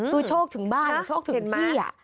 คือโชคถึงบ้านโชคถึงที่